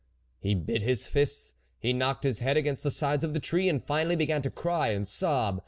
He bit his fists, he knocked his head against the sides of the tree, and finally began to cry and sob.